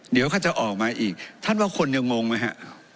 เดี๋ยวก็จะออกมาอีกท่านว่าคนยังงงไหมฮะ